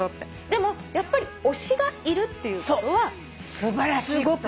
でもやっぱり推しがいるっていうことはすごくいいから。